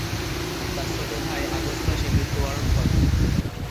তার ছোট ভাই আগস্ট মাসে মৃত্যুবরণ করে।